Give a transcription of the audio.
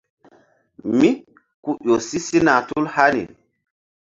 Mí ku ƴo si sina tul hani.